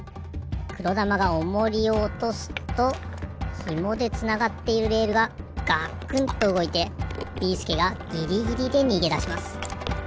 くろだまがオモリをおとすとひもでつながっているレールがガクンとうごいてビーすけがギリギリでにげだします。